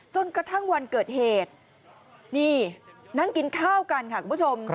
จนกระทั่งวันเกิดเหตุนี่นั่งกินข้าวกันค่ะคุณผู้ชม